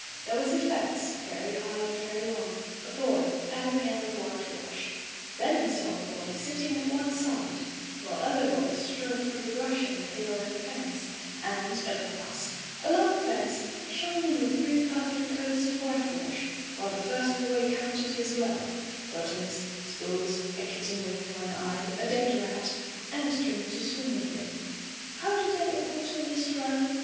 There was a fence, very high and very long, a boy, and a pail of white wash. Then he saw the boy sitting at one side, while other boys strove for the brush and the pail and the fence, and, at last, a long fence shining with three perfect coats of white wash, while the first boy counted his wealth — ^buttons, spools, a kitten with one eye, a dead rat, and a string to swing it with — How did that immortal list run